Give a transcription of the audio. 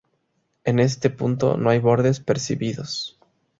En este punto, no hay bordes percibidos.